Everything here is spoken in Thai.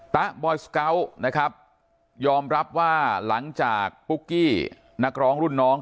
ตะบอยสเกาะนะครับยอมรับว่าหลังจากปุ๊กกี้นักร้องรุ่นน้อง